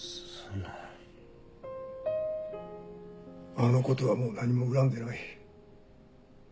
あのことはもう何も恨んでない。